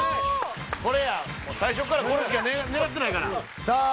これや最初からこれしか狙ってないからさあ